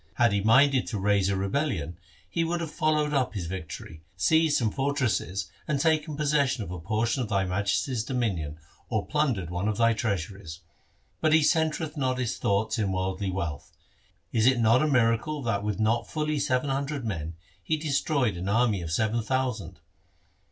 Had he minded to raise a rebellion, he would have followed up his victory, seized some fortress, and taken possession of a portion of thy Majesty's dominion, or plundered one of thy treasuries. But he centreth not his thoughts in worldly wealth. Is it not a miracle that with not fully seven hundred men he destroyed an army of seven thousand